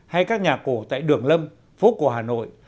hay các nhà cổ tại đường lâm phố cổ hà nội